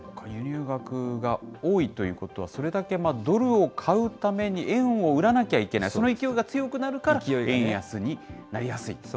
輸入額が多いということは、それだけドルを買うために円を売らなきゃいけない、その勢いが強くなるから、円安になりやすい。